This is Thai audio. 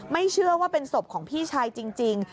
ไม่เชื่อว่าเป็นศพของพี่ชายจริง